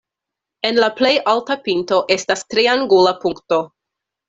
En la plej alta pinto estas triangula punkto.